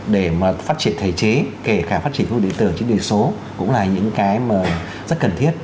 để phát triển thể chế kể cả phát triển phương địa tưởng chính địa số cũng là những cái rất cần thiết